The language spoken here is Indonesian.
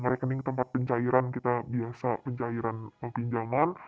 rekening tempat pencairan kita biasa pencairan pinjaman